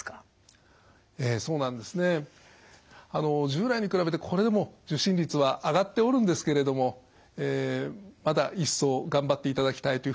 従来に比べてこれでも受診率は上がっておるんですけれどもまだ一層頑張っていただきたいというふうに思います。